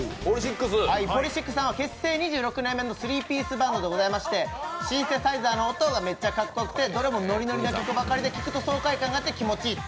ＰＯＬＹＳＩＣＳさんは結成２６年目の３ピースバンドでシンセサイザーの音がめっちゃかっこよくてどれもノリノリの曲ばかりで、聴くと爽快感があって気持ちいい。